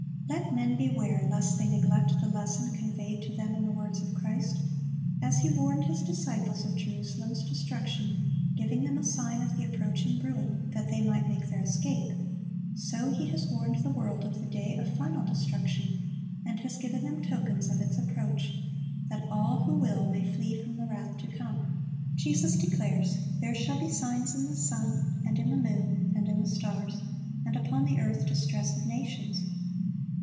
Let men beware lest they neglect the lesson conveyed to them in the words of Christ. As He warned His disciples of Jerusalem's destruction, giving them a sign of the approaching ruin, that they might make their escape; so He has warned the world of the day of final destruction, and has given them tokens of its approach, that all who will may flee from the wrath to come. Jesus declares, "There shall be signs in the sun, and in the moon, and in the stars; and upon the earth distress of nations."